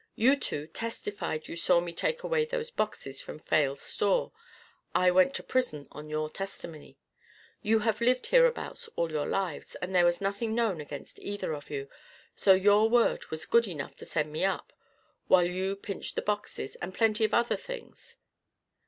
"You two testified you saw me take away those boxes from Fales' store. I went to prison on your testimony. You had lived hereabouts all your lives, and there was nothing known against either of you. So your word was good enough to send me up while you pinched the boxes, and plenty of other things.